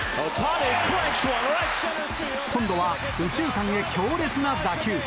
今度は右中間へ強烈な打球。